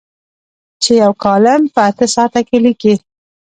چې یو کالم په اته ساعته کې لیکي.